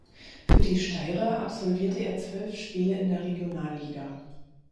Für die Steirer absolvierte er zwölf Spiele in der Regionalliga.